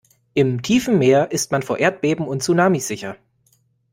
Im tiefen Meer ist man vor Erdbeben und Tsunamis sicher.